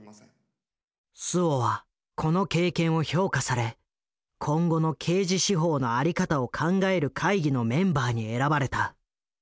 周防はこの経験を評価され今後の刑事司法の在り方を考える会議のメンバーに選ばれた。